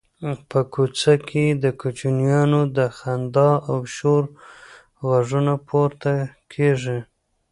په کوڅه کې د کوچنیانو د خندا او شور غږونه پورته کېږي.